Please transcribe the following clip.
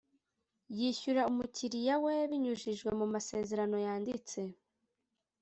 yishyura umukiriya we binyujijwe mu masezerano yanditse